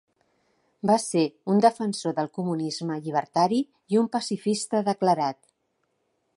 Va ser un defensor del comunisme llibertari i un pacifista declarat.